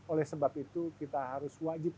oleh sebab itu kita harus wajib